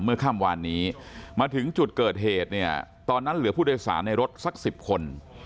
เมื่อค่ำวานนี้มาถึงจุดเกิดเหตุเนี่ยตอนนั้นเหลือผู้โดยสารในรถสัก๑๐คน